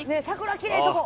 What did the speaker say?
きれいなとこ。